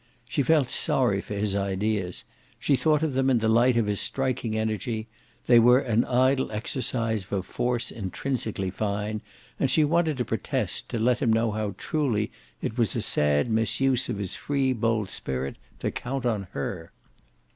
She felt sorry for his ideas she thought of them in the light of his striking energy; they were an idle exercise of a force intrinsically fine, and she wanted to protest, to let him know how truly it was a sad misuse of his free bold spirit to count on her.